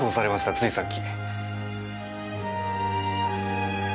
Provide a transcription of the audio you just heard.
ついさっき。